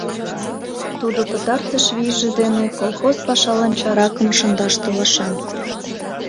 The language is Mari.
Тудо пытартыш вийже дене колхоз пашалан чаракым шындаш толаша.